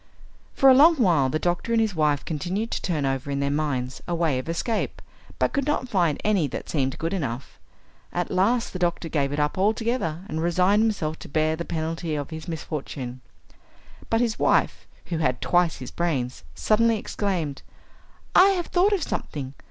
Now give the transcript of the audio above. For a long while the doctor and his wife continued to turn over in their minds a way of escape, but could not find any that seemed good enough. At last the doctor gave it up altogether and resigned himself to bear the penalty of his misfortune. But his wife, who had twice his brains, suddenly exclaimed, "I have thought of something!